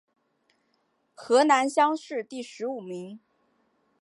河南乡试第十五名。